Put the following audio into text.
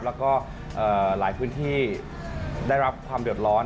แล้วก็หลายพื้นที่ได้รับความเดือดร้อน